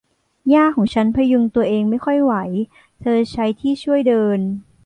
ย่าของฉันพยุงตัวเองไม่ค่อยไหว เธอใช้ที่ช่วยเดิน